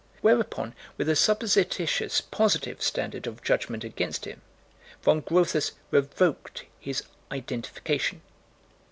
Whereupon, with a supposititious "positive" standard of judgment against him, Von Grotthus revoked his "identification."